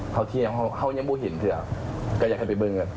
พอทียังเห่านิ่งบูหินเถอะก็อยากให้ไปบึงกัน